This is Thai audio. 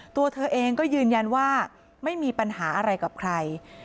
ตัวเธอเองก็ยืนยันว่าไม่มีปัญหาอะไรกับใคร